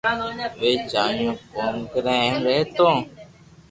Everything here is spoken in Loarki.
اووي جايون ڪوم ڪرو ھين رھيو